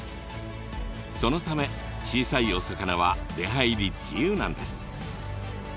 そのため小さいお魚は出はいり自由なんです。